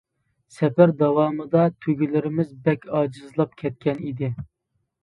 سەپەر داۋامىدا تۆگىلىرىمىز بەك ئاجىزلاپ كەتكەن ئىدى.